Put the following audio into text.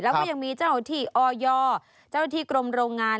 แล้วก็ยังมีจ้าวุทธิออยจ้าวุทธิกรมโรงงาน